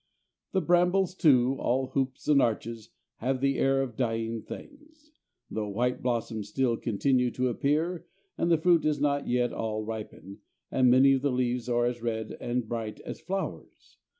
The brambles, too, all hoops and arches, have the air of dying things, though white blossoms still continue to appear, and the fruit is not yet all ripened and many of the leaves are as red and bright as flowers.